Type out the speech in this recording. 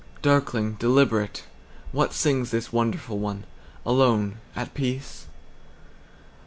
Darkling, deliberate, what singsThis wonderful one, alone, at peace?